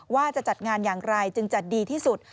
ว่าจะจัดงานอย่างไรจึงจัดดีที่สุด